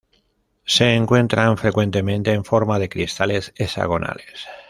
Se encuentran frecuentemente en forma de cristales hexagonales.